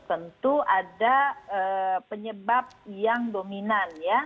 tentu ada penyebab yang dominan ya